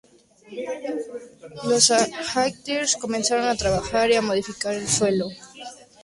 Los Hatcher comenzaron a trabajar y a modificar el suelo.